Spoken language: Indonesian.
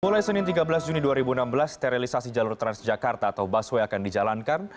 mulai senin tiga belas juni dua ribu enam belas sterilisasi jalur transjakarta atau busway akan dijalankan